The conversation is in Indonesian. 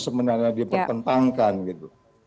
sebenarnya dipertentangkan gitu